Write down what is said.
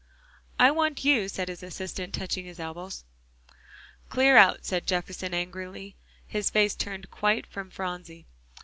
"I want you," said his assistant, touching his elbow. "Clear out," said Jefferson angrily, his face turned quite from Phronsie.